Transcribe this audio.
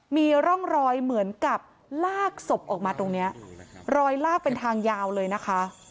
มีร่องรอยเหมือนกับลากศพออกมาตรงเนี้ยรอยลากเป็นทางยาวเลยนะคะ